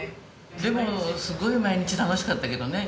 でもすごい毎日楽しかったけどね。